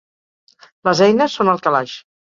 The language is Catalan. Les eines són al calaix.